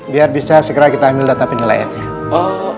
biar bisa segera kita ambil data penilaiannya